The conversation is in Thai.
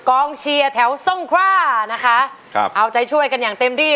กองเชียร์แถวทรงคว่านะคะครับเอาใจช่วยกันอย่างเต็มที่